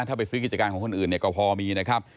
ถ้าไปซื้อกิจการของคนอื่นเนี่ยก็พอมีนะครับ